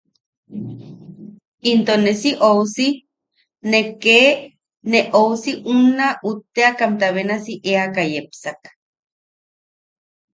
Into ne si ousi... ne ke ne ousi unna utteʼakamta benasi eaka yepsak.